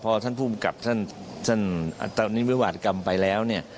พอท่านผู้กำกับท่านวิวาศกรรมไปแล้ว